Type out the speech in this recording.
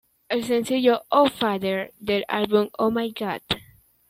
El sencillo "Oh Father" del álbum "Oh My God!